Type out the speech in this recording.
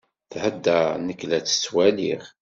Thedder, nek la tt-ttwaliɣ.